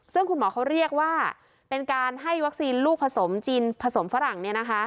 ซึ่งคุณหมอเขาเรียกว่าเป็นการให้วัคซีนลูกผสมจีนผสมฝรั่ง